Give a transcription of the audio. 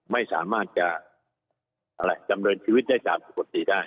ไม่สามารถจะดำเนินชีวิตได้ตามปกติได้